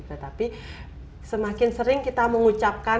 tetapi semakin sering kita mengucapkan